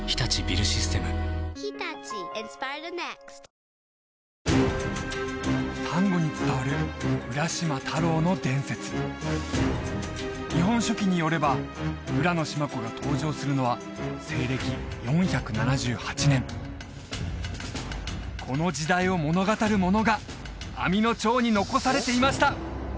このあと丹後に伝わる浦島太郎の伝説「日本書紀」によれば浦嶋子が登場するのは西暦４７８年この時代を物語るものが網野町に残されていました